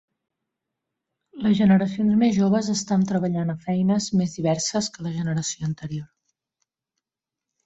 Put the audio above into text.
Les generacions més joves estan treballant a feines més diverses que la generació anterior.